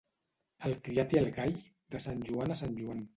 El criat i el gall, de Sant Joan a Sant Joan.